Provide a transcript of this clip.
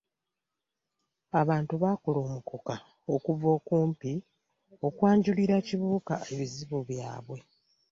Abantu baakuluumulukuka okuva okumpi okwanjulira Kibuuka ebizibu byabwe.